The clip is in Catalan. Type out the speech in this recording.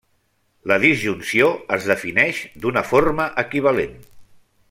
La disjunció es defineix d'una forma equivalent.